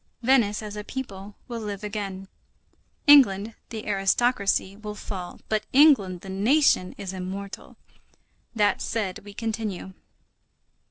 Venice, as a people, will live again; England, the aristocracy, will fall, but England, the nation, is immortal. That said, we continue.